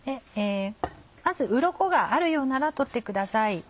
まずうろこがあるようなら取ってください。